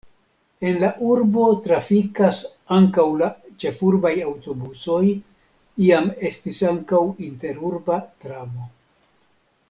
En la urbo trafikas ankaŭ la ĉefurbaj aŭtobusoj, iam estis ankaŭ interurba tramo.